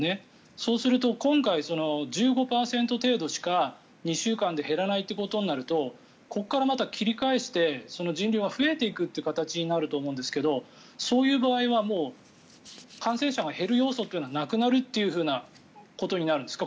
そうすると、今回１５％程度しか２週間で減らないとなるとここからまた切り返して人流が増えていく形になると思いますがそういう場合はもう感染者が減る要素はなくなるということになるんですか？